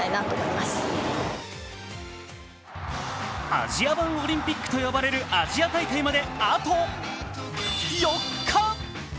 アジア版オリンピックと呼ばれるアジア大会まであと４日。